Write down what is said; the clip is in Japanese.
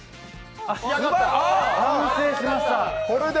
完成しました。